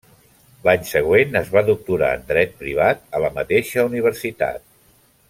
L'any següent es va doctorar en dret privat a la mateixa universitat.